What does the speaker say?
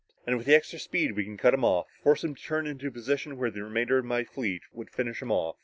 "And with the extra speed, we can cut him off, force him to turn into a position where the remainder of my fleet would finish him off."